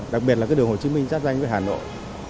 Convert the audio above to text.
đặc biệt là cái đường hồ chí minh giáp danh với hà nội